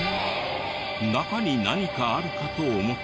中に何かあるかと思ったら。